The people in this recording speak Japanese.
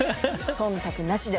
そんたくなしで。